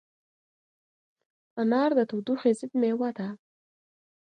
انار د تودوخې ضد مېوه ده.